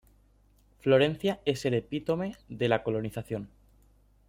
Florencia es el epítome de la colonización.